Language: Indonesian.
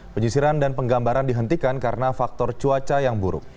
penyisiran dan penggambaran dihentikan karena faktor cuaca yang buruk